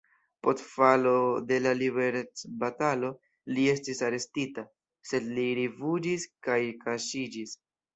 Post falo de la liberecbatalo li estis arestita, sed li rifuĝis kaj kaŝiĝis.